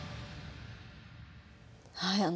はい。